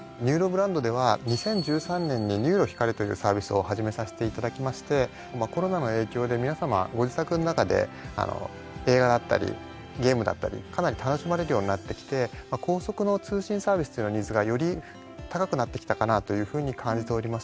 「ＮＵＲＯ」ブランドでは２０１３年に「ＮＵＲＯ光」というサービスを始めさせていただきましてコロナの影響で皆さまご自宅の中で映画だったりゲームだったりかなり楽しまれるようになってきて高速の通信サービスのニーズがより高くなってきたかなというふうに感じております。